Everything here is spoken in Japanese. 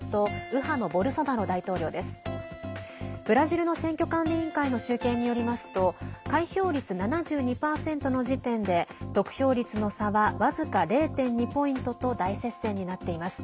ブラジルの選挙管理委員会の集計によりますと開票率７２％の時点で得票率の差は僅か０．２ポイントと大接戦になっています。